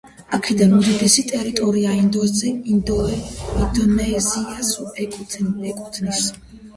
აქედან, უდიდესი ტერიტორია ინდონეზიას ეკუთვნის.